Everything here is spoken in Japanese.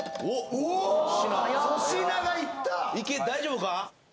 大丈夫か？